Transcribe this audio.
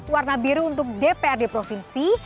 warna biru untuk dprd provinsi